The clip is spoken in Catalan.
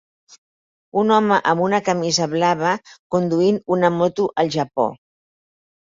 Un home amb una camisa blava conduint una moto al Japó.